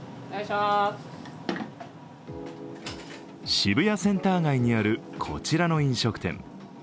渋谷センター街にあるこちらの飲食店。